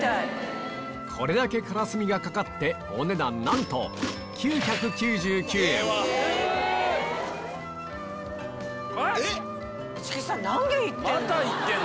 これだけカラスミがかかってお値段なんと何軒行ってんの？